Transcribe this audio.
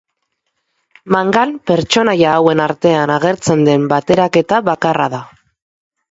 Mangan pertsonaia hauen artean agertzen den bateraketa bakarra da.